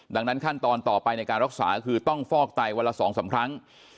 ดังนั้นขั้นตอนต่อไปในการรักษาคือต้องฟอกไตวันละ๒๓ครั้ง